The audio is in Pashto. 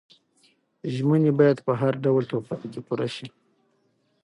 ژمنې باید په هر ډول طوفان کې پوره شي.